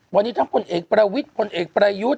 วันนี้ถ้าผู้เอกประวิทธิ์ผู้เอกประยุทธิ์